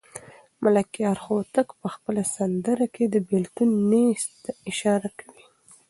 ملکیار هوتک په خپله سندره کې د بېلتون نیز ته اشاره کوي.